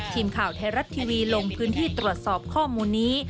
ทีมข่าวไทยรัฐทีวีลงพื้นที่ตรวจสอบข้อมูลนี้